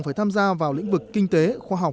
phải tham gia vào lĩnh vực kinh tế khoa học